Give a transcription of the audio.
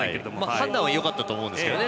判断はよかったと思いますけどね。